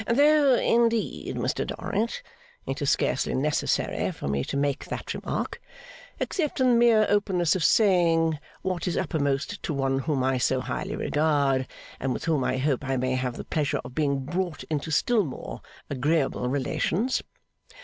'Though, indeed, Mr Dorrit, it is scarcely necessary for me to make that remark, except in the mere openness of saying what is uppermost to one whom I so highly regard, and with whom I hope I may have the pleasure of being brought into still more agreeable relations.